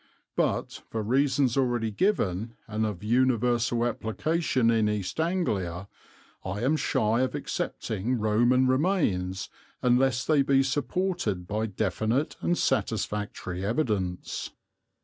(But, for reasons already given and of universal application in East Anglia, I am shy of accepting Roman remains unless they be supported by definite and satisfactory evidence.)